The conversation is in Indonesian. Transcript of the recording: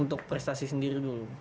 untuk prestasi sendiri dulu